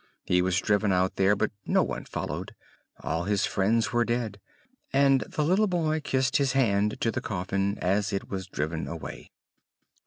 He was driven out there, but no one followed; all his friends were dead, and the little boy kissed his hand to the coffin as it was driven away.